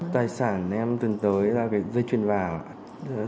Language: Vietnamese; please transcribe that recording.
tài sản em từng tới ra cái dây chuyền vàng